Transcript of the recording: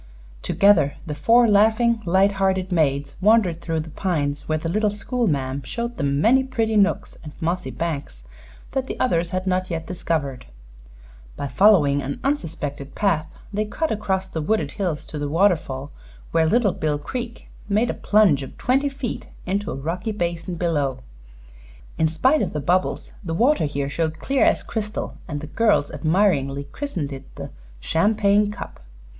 Together the four laughing, light hearted maids wandered through the pines, where the little school ma'am showed them many pretty nooks and mossy banks that the others had not yet discovered. By following an unsuspected path, they cut across the wooded hills to the waterfall, where Little Bill Creek made a plunge of twenty feet into a rocky basin below. In spite of the bubbles, the water here showed clear as crystal, and the girls admiringly christened it the "Champagne Cup."